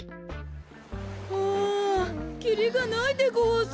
はあきりがないでごわす。